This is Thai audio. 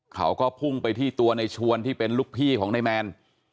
เขาก็พุ่งไปที่ตัวในชวนที่เป็นลูกพี่ของนายแมน